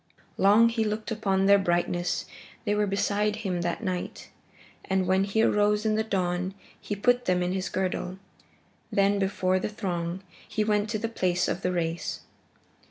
Long he looked upon their brightness. They were beside him that night, and when he arose in the dawn he put them in his girdle. Then, before the throng, he went to the place of the race.